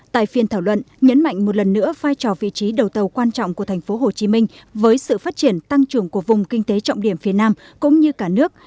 tại phiên thảo luận nhấn mạnh một lần nữa vai trò vị trí đầu tàu quan trọng của tp hcm với sự phát triển tăng trưởng của vùng kinh tế trọng điểm phía nam cũng như cả nước